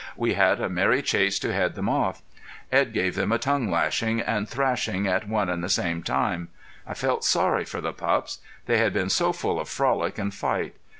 We had a merry chase to head them off. Edd gave them a tongue lashing and thrashing at one and the same time. I felt sorry for the pups. They had been so full of frolic and fight.